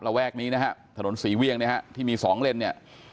ระแวกนี้นะฮะถนนสี่เวียงนะฮะที่มีสองเลนเนี่ย